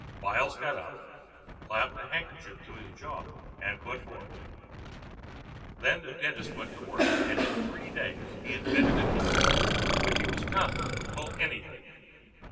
Byles got up, clapped a handkerchief to his jaw, and put forth. Then the dentist went to work, and in three days he invented an instrument which he was confident would pull anything.